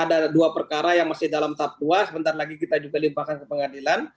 ada dua perkara yang masih dalam tap tua sebentar lagi kita juga limpahkan ke pengadilan